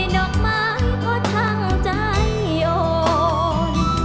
ดอกไม้ก็ทั้งใจโยน